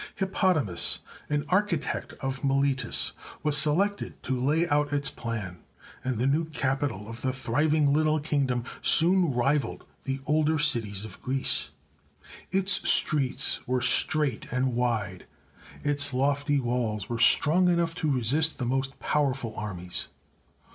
Hippodamus, an architect of Miletus, was selected to lay out its plan, and the new capital of the thriving little kingdom soon rivalled the older cities of Greece. Its streets were straight and wide, its lofty walls were strong enough to resist the most powerful armies.